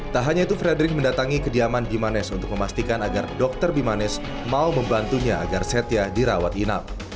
tak hanya itu frederick mendatangi kediaman bimanes untuk memastikan agar dr bimanes mau membantunya agar setia dirawat inap